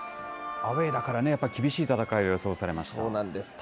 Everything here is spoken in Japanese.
アウエーだからね、やっぱり厳しい戦いが予想されました。